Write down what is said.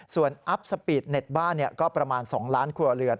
ส่วนอัพสปีดเน็ตบ้านก็ประมาณ๒ล้านครัวเรือน